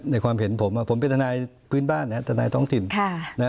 ความเห็นผมผมเป็นทนายพื้นบ้านทนายท้องถิ่น